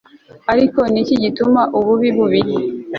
ariko niki gituma ububi bubi